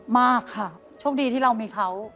มากค่ะโชคดีที่เรามีเขา